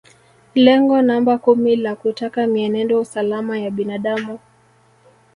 Lengo namba kumi la kutaka mienendo salama ya binadamu